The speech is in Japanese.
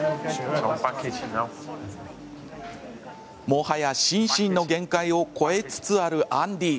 もはや心身の限界を超えつつあるアンディ。